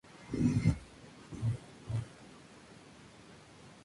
Hay muchas sendas para excursión rodeando el lago.